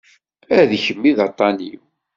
A d kemm i d aṭṭan-iw.